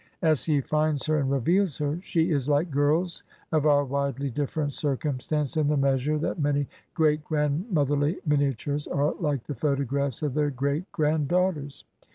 As he finds her and reveals her she is like girls of our widely different circtimstance in the measure that many great grandmotherly miniatures are like the photographs of their great granddaughters.